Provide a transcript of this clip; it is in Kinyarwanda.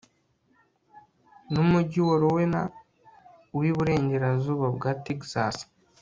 numujyi wa rowena wiburengerazuba bwa texas